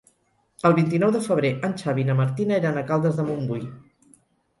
El vint-i-nou de febrer en Xavi i na Martina iran a Caldes de Montbui.